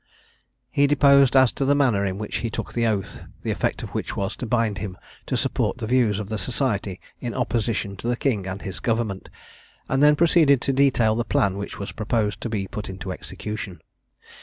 He deposed as to the manner in which he took the oath, the effect of which was to bind him to support the views of the society in opposition to the King and his Government, and then proceeded to detail the plan which was proposed to be put into execution.